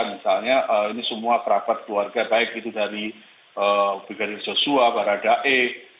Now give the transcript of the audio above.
misalnya ini semua perawat keluarga baik itu dari brigadir joshua para dae